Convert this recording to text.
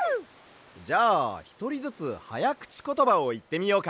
じゃあひとりずつはやくちことばをいってみようか。